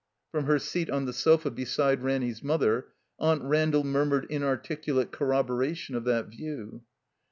Prom her seat on the sofa beside Ranny's mother. Aunt RandaU murmured inarticulate corroboration of that view.